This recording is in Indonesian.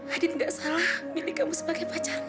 adit tidak salah memilih kamu sebagai pacarnya